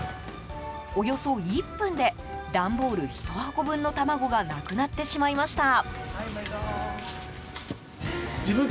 およそ１分で段ボール１箱分の卵がなくなってしまいました。